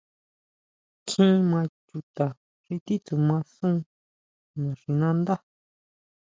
Kjín maa chuta xi titsuma sun naxinándá.